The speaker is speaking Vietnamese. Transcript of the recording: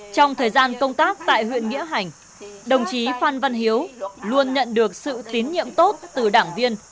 trong thời gian công tác tại huyện nghĩa hành đồng chí phan văn hiếu luôn nhận được sự tín nhiệm tốt từ đảng viên